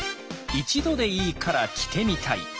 一度でいいから着てみたい。